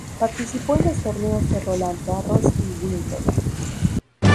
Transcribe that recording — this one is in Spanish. Participó en los torneos de Roland Garros y Wimbledon.